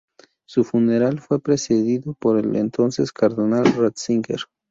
Su funeral fue presidido por el entonces cardenal Ratzinger.